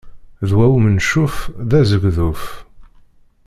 Ddwa umencuf, d azegḍuf.